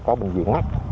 có bệnh viện mắt